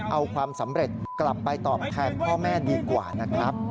เอาความสำเร็จกลับไปตอบแทนพ่อแม่ดีกว่านะครับ